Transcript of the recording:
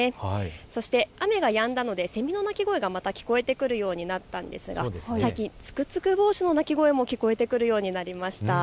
そして雨がやんだのでセミの鳴き声がまた聞こえてくるようになったんですが最近、ツクツクボウシの鳴き声も聞こえてくるようになりました。